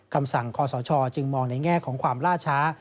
คำสั่งคอสชจึงมองในแง่ของความล่าช้า